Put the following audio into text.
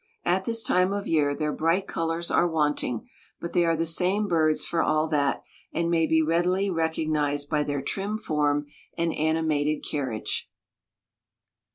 At this time of year their bright colors are wanting, but they are the same birds for all that, and may be readily recognized by their trim form and animated carriage.